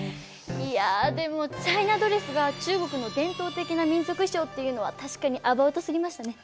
いやでもチャイナドレスが中国の伝統的な民族衣装っていうのは確かにアバウトすぎましたね。